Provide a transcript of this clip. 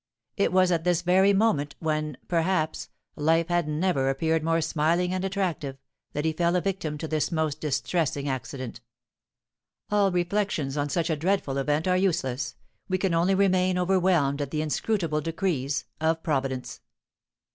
It was at this very moment, when, perhaps, life had never appeared more smiling and attractive, that he fell a victim to this most distressing accident. "All reflections on such a dreadful event are useless. We can only remain overwhelmed at the inscrutable decrees of Providence."